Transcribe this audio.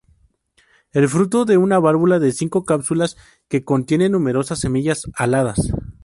El fruto es una valva de cinco cápsulas que contiene numerosas semillas aladas.